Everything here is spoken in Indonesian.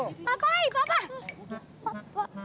papa eh papa